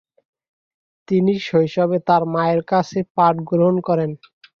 তিনি শৈশবে তার মায়ের কাছে পাঠ গ্রহণ করেন।